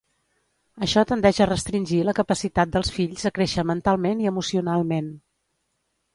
Això tendeix a restringir la capacitat dels fills a créixer mentalment i emocionalment.